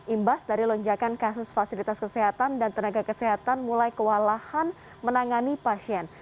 imbas dari lonjakan kasus fasilitas kesehatan dan tenaga kesehatan mulai kewalahan menangani pasien